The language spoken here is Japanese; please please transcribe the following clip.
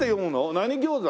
何餃子？